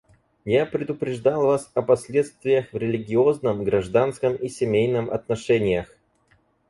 Я предупреждал вас о последствиях в религиозном, гражданском и семейном отношениях.